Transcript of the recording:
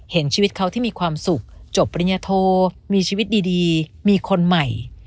เห็นชีวิตเขาที่มีความสุขจบปริญญโทมีชีวิตดีมีคนใหม่